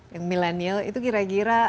yang milenial itu kira kira